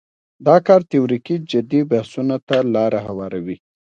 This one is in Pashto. دا کار تیوریکي جدي بحثونو ته لاره هواروي.